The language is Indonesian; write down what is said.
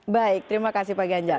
baik terima kasih pak ganjar